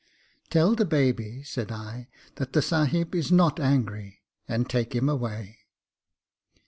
Tell the baby,' said I, 'that the Sahib is not angry, and take him away.'